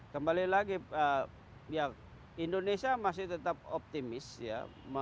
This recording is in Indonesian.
kembali lagi ya indonesia masih tetap optimis ya